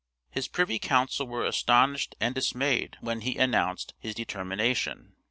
His privy council were astonished and dismayed when he announced his determination.